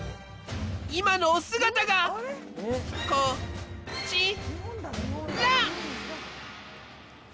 今のお姿がこちら！